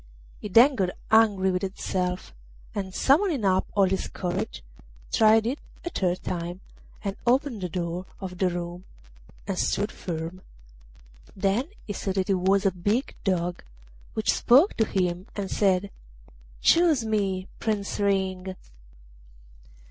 He then got angry with himself, and, summoning up all his courage, tried it a third time, and opened the door of the room and stood firm. Then he saw that it was a big Dog, which spoke to him and said: 'Choose me, Prince Ring.